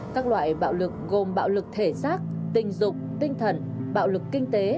các loại bạo lực gồm bạo lực thể xác tình dục tinh thần bạo lực kinh tế